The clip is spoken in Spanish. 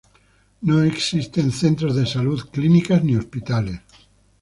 No existen Centros de Salud, clínicas, ni hospitales.